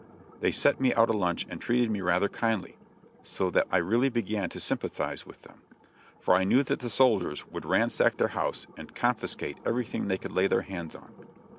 They set me out a lunch and treated me rather kindly, so that I really began to sympathize with them; for I knew that the soldiers would ransack their house and confiscate everything they could lay their hands on.